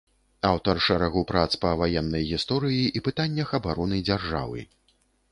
Аўтар шэрагу прац па ваеннай гісторыі і пытаннях абароны дзяржавы.